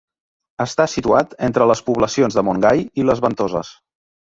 Està situat entre les poblacions de Montgai i Les Ventoses.